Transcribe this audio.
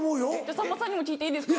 さんまさんにも聞いていいですか。